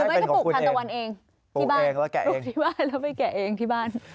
ไม่แค่ปลูกทันตะวันเองปลูกที่บ้านแล้วไปแกะเองที่บ้าน